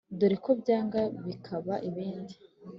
dore ko byanga bikaba ibindi